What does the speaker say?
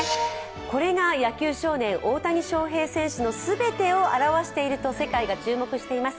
これが野球少年・大谷翔平選手の全てを表していると世界が注目しています。